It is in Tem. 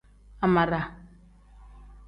Amara.